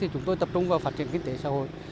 chúng tôi tập trung vào phát triển kinh tế xã hội